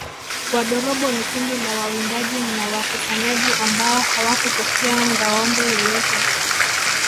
Wadorobo ni kundi la wawindaji na wakusanyaji ambao hawakupokea ngâombe yoyote